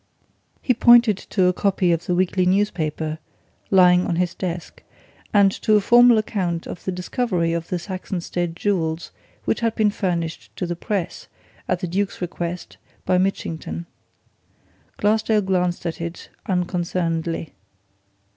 He pointed to a copy of the weekly newspaper, lying on his desk, and to a formal account of the discovery of the Saxonsteade jewels which had been furnished to the press, at the Duke's request, by Mitchington. Glassdale glanced at it unconcernedly.